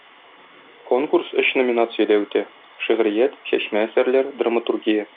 Конкурс өч номинациядә үтә: шигърият, чәчмә әсәрләр, драматургия.